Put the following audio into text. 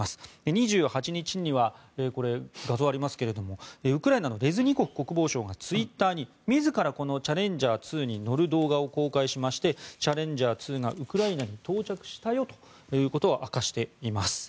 ２８日には、画像がありますがウクライナのレズニコフ国防相がツイッターに自らこのチャレンジャー２に乗る動画を公開しましてチャレンジャー２がウクライナに到着したよということを明かしています。